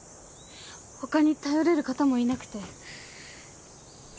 他に頼れる方もいなくて。